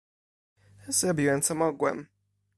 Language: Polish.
"Zrobiłem co mogłem."